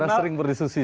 karena sering berdiskusi